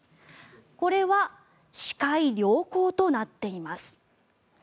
これは視界良好となっています。